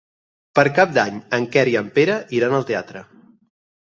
Per Cap d'Any en Quer i en Pere iran al teatre.